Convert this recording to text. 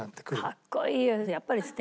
かっこいいよ。